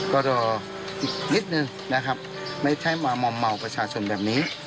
ก็รออีกนิดนึงนะครับไม่ใช่มามอมเมาประชาชนแบบนี้